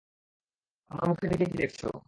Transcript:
আমার মুখের দিকে কী দেখছ?